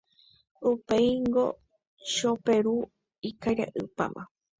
Upéingo Choperu ikaria'ypáma.